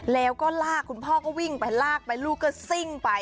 แล้วก็ลากคุณพ่อก็วิ่งไปลากไปลูกก็ซิ่งไป